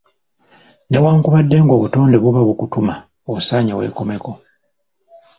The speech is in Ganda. Newankubadde ng'obutonde buba bukutuma osaanye weekomeko.